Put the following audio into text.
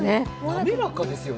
滑らかですよね。